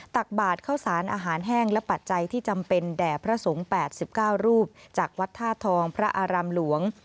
ตักบาทเข้าสารอาหารแห้งและปัจจัยที่จำเป็นแด่พระสงฆ์๘๙รูปจากวัดท่าทองพระอารามหลวง